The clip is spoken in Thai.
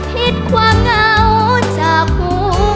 พิดกว่าเหงาจากหัวใจ